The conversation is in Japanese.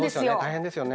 大変ですよね